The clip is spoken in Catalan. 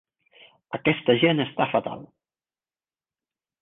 Aquesta gent està fatal!